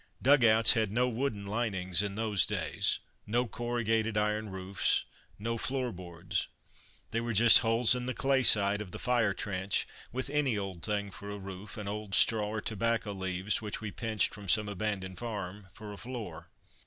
Dug outs had no wooden linings in those days; no corrugated iron roofs; no floorboards. They were just holes in the clay side of the fire trench, with any old thing for a roof, and old straw or tobacco leaves, which we pinched from some abandoned farm, for a floor.